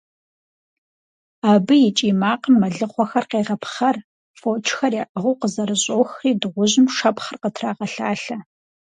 Абы и кӀий макъым мэлыхъуэхэр къегъэпхъэр, фочхэр яӀыгъыу къызэрыщӀохри дыгъужьым шэпхъыр къытрагъэлъалъэ.